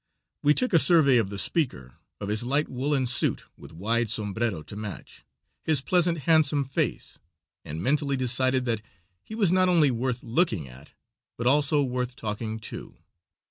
We took a survey of the speaker, of his light woolen suit with wide sombrero to match, his pleasant, handsome face, and mentally decided that he was not only worth looking at, but also worth talking to.